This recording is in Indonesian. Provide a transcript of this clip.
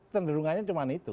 tenderungannya cuma itu